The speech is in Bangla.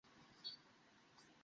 অবশ্যই, বাজি ধরে পরবে।